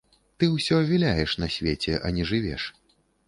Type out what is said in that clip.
Ты ўсё віляеш на свеце, а не жывеш.